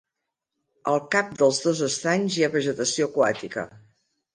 A cap dels dos estanys hi ha vegetació aquàtica.